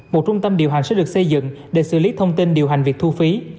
một trung tâm điều hành sẽ được xây dựng để xử lý thông tin điều hành việc thu phí